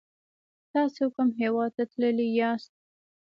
تاسو کوم هیواد ته تللی یاست؟